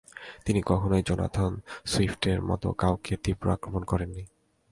তিনি কখনই জোনাথন সুইফটের মতো কাউকে তীব্র আক্রমণ করেননি।